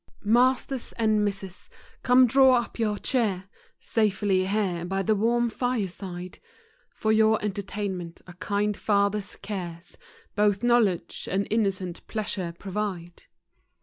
PIASTERS and Misses, come draw up your chair Safely all here by the warm fire side 5 For your entertainment, a kind father's cares Both knowledge and innocent pleasure provide.